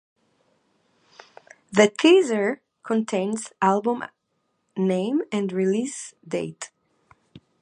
The teaser contains the album name and release date.